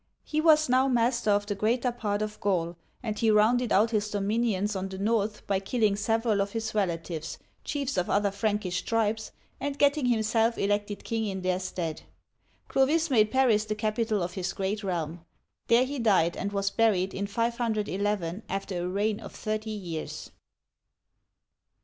He was now master of the greater part of Gaul, and he rounded out his dominions on the north by killing several of his relatives, chiefs of other Prankish tribes, and getting himself elected king in their stead. Clovis made Paris the capital of his great realm. There he died and was buried in 511, after a reign of thirty years.